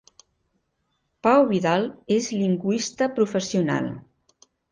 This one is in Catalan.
Pau Vidal és lingüista professional.